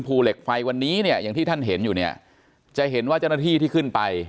ภูเหล็กไฟวันนี้เนี่ยอย่างที่ท่านเห็นอยู่เนี่ยจะเห็นว่าเจ้าหน้าที่ที่ขึ้นไป